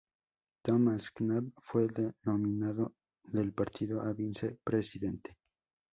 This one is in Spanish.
Thomas L. Knapp fue el nominado del partido a vice-presidente.